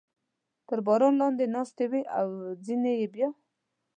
تر باران لاندې ناستې وې او ځینې یې بیا.